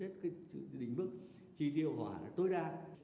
tất cả các lĩnh vực chi tiêu hỏa tối đa